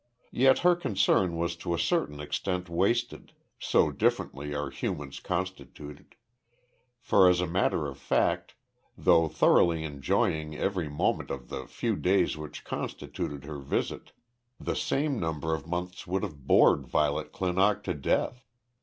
Yet her concern was to a certain extent wasted, so differently are humans constituted; for, as a matter of fact, though thoroughly enjoying every moment of the few days which constituted her visit, the same number of months would have bored Violet Clinock to death.